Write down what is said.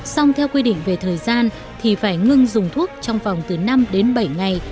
xong theo quy định về thời gian thì phải ngưng dùng thuốc trong vòng từ năm đến bảy ngày